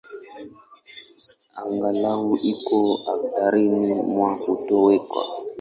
Angalau iko hatarini mwa kutoweka.